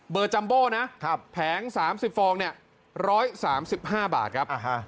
เบอร์จัมโบนะครับแผงสามสิบฟองเนี้ยร้อยสามสิบห้าบาทครับอ่าฮะ